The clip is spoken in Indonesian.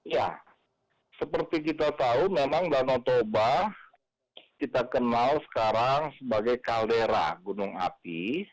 ya seperti kita tahu memang danau toba kita kenal sekarang sebagai kaldera gunung api